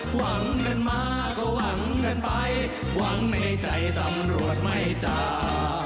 หวังกันมาก็หวังกันไปหวังในใจตำรวจไม่จ้า